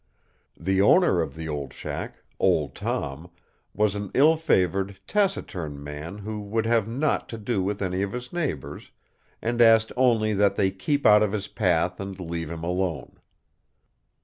The owner of the old shack, Old Tom, was an ill favored, taciturn man who would have naught to do with any of his neighbors, and asked only that they keep out of his path and leave him alone.